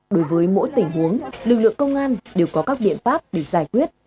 đối với mỗi tình huống lực lượng công an đều có các biện pháp để giải quyết